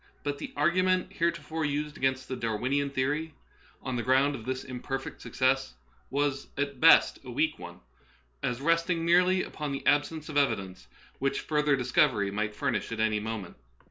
But the argu ment heretofore urged against the Darwinian theory, on the ground of this imperfect success, was at best a weak one, as resting merely upon the absence of evidence which further discovery might furnish at any moment.